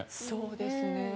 そうですね。